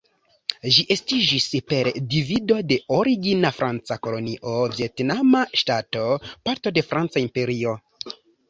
Ĝi estiĝis per divido de origina franca kolonio Vjetnama ŝtato, parto de franca imperio.